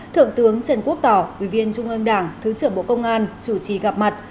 thượng tướng trần quốc tỏ ủy viên trung ương đảng thứ trưởng bộ công an chủ trì gặp mặt